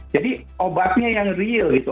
jadi obatnya yang real gitu